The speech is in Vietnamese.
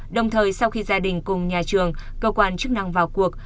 đồng thời sau khi gia đình cùng nhà trường cơ quan chức năng vào cuộc